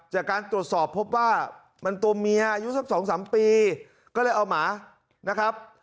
จากการตรวจสอบพบว่ามันตัวเมียอายุสัก๒๓ปีก็เลยเอาหมานะครับ